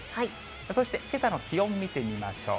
そしてけさの気温見てみましょう。